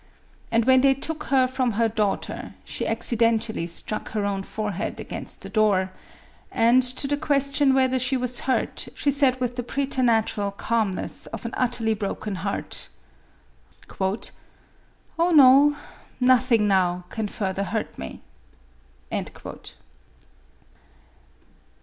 And when they took her from her daughter, she accidentally struck her own forehead against the door, and, to the question whether she was hurt, she said with the preternatural calmness of an utterly broken heart, —" Oh no ! nothing now can further hurt me."